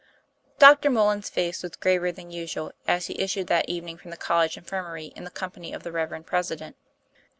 DR. MULLAN'S face was graver than usual as he issued that evening from the college infirmary in the company of the reverend President.